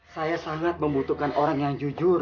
saya sangat membutuhkan orang yang jujur